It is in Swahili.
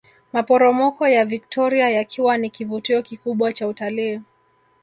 Maporomoko ya Viktoria yakiwa ni kivutio kikubwa cha utalii